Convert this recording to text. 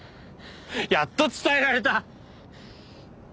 やっと伝えられた。